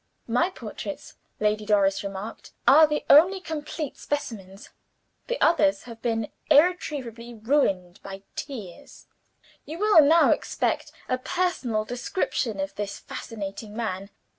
'My portraits,' Lady Doris remarked, 'are the only complete specimens. The others have been irretrievably ruined by tears.' "You will now expect a personal description of this fascinating man.